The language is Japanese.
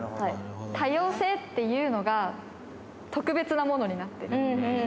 多様性というのが、特別なものになってる。